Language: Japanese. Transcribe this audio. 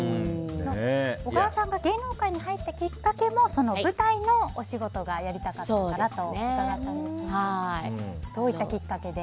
小川さんが芸能界に入ったきっかけも舞台のお仕事がやりたかったからと伺ったんですがどういったきっかけで？